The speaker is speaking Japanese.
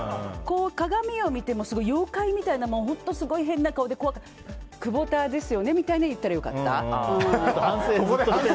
鏡を見て、妖怪みたいな本当すごい変な顔でクボターみたいですよねって言ったら良かった？